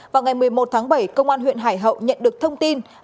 vào ngày một mươi một tháng bảy công an huyện hải hậu nhận được thông tin